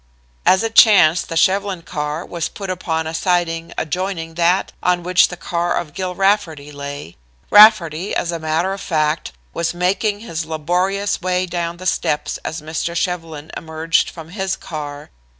As it chanced the Shevlin car was put upon a siding adjoining that on which the car of Gill Rafferty lay. Rafferty, as a matter of fact, was making his laborious way down the steps as Mr. Shevlin emerged from his car.